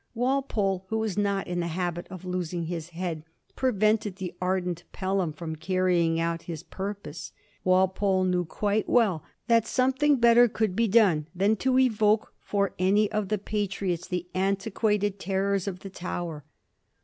Walpole, who was not in the habit of losing his head, prevented the ardent Pelham from carrying out his purpose. Walpole knew quite well that something better could be done than to evoke for any of the Patriots the antiquated ter rors of the Tower.